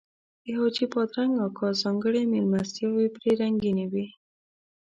د حاجي بادرنګ اکا ځانګړي میلمستیاوې پرې رنګینې وې.